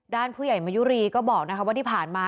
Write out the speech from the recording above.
ผู้ใหญ่มายุรีก็บอกว่าที่ผ่านมา